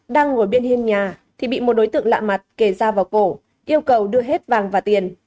đang ngồi bên hiên nhà thì bị một đối tượng lạ mặt kề dao vào cổ yêu cầu đưa hết vàng và tiền